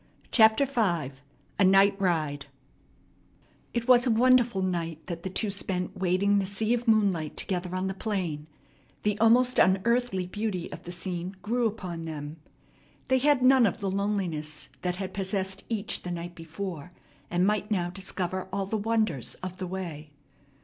CHAPTER V A NIGHT RIDE It was a wonderful night that the two spent wading the sea of moonlight together on the plain. The almost unearthly beauty of the scene grew upon them. They had none of the loneliness that had possessed each the night before, and might now discover all the wonders of the way.